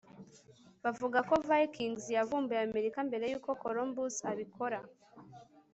bavuga ko vikings yavumbuye amerika mbere yuko columbus abikora